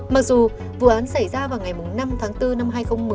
mặc dù vụ án xảy ra vào ngày năm tháng bốn năm hai nghìn một mươi